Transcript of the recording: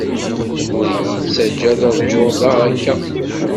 Ur iyi-ttajja ad ṛjuɣ da akka.